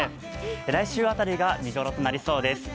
来週辺りが見頃となりそうです。